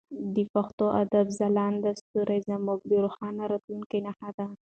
د پښتو ادب ځلانده ستوري زموږ د روښانه راتلونکي نښه ده.